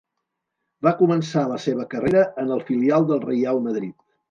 Va començar la seva carrera en el filial del Reial Madrid.